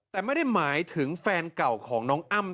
แต่ไม่ได้หมายถึงแฟนเก่าของน้องอ้ำ